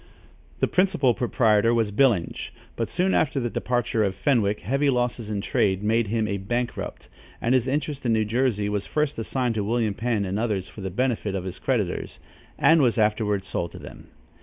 The principal proprietor was Byllinge; but soon after the departure of Fenwick, heavy losses in trade made him a bankrupt, and his interest in New Jersey was first assigned to William Penn and others for the benefit of his creditors, and was afterward sold to them.